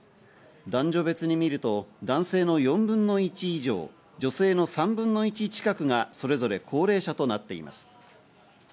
男女別にみると、男性の４分の１以上、女性の３分の１近くがそれぞれ高齢者となっています。